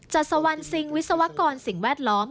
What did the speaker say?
จัดสวรรค์ซิงวิศวกรสิ่งแวดล้อม